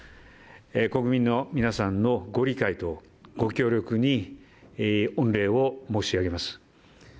国民の皆さんのご理解とご協力に御礼を申し上げます。